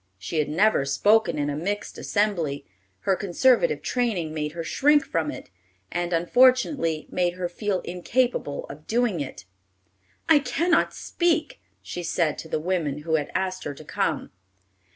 She had never spoken in a mixed assembly. Her conservative training made her shrink from it, and, unfortunately, made her feel incapable of doing it. "I cannot speak!" she said to the women who had asked her to come.